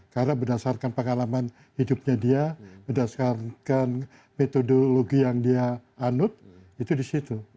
karena berdasarkan pengalaman hidupnya dia berdasarkan metodologi yang dia anut itu di situ